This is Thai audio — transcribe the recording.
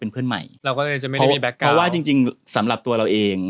เพราะว่าจริงสำหรับตัวเราเอง